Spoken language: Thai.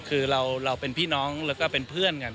คือเราเป็นพี่น้องแล้วก็เป็นเพื่อนกัน